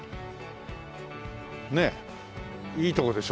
ねえいいとこでしょう？